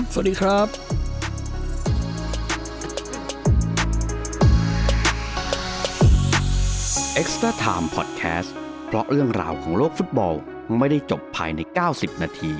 สวัสดีครับ